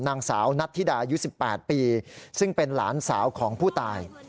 นางสาวนัทธิดาอายุ๑๘ปีซึ่งเป็นหลานสาวของผู้ตาย